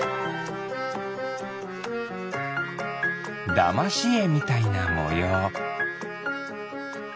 だましえみたいなもよう。